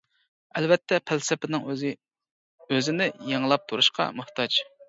ئەلۋەتتە پەلسەپىنىڭ ئۆزى ئۆزىنى يېڭىلاپ تۇرۇشقا موھتاج.